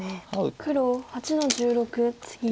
黒８の十六ツギ。